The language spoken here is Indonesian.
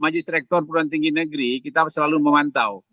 majlis rektor perubahan tinggi negeri kita selalu memantau